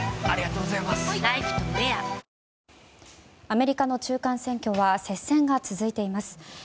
アメリカの中間選挙は接戦が続いています。